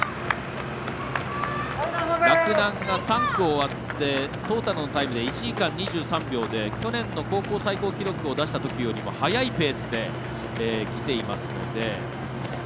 洛南が３区終わってトータルのタイムで１時間２３秒で去年の高校最高記録を出したときよりも速いペースできていますので。